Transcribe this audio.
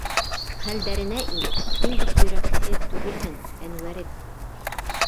Хәлдәренә ин, һин бит йөрәкһеҙ түгелһең, Әнүәрем?